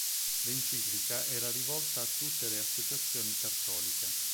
L'enciclica era rivolta a tutte le associazioni cattoliche.